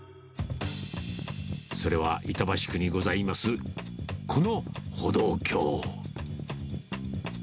それは板橋区にございます、この歩道橋。